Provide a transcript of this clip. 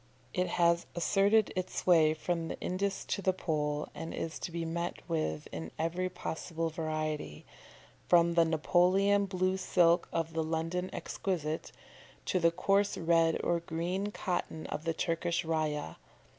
It has asserted its sway from Indus to the Pole, and is to be met with in every possible variety, from the Napoleon blue silk of the London exquisite, to the coarse red or green cotton of the Turkish rayah.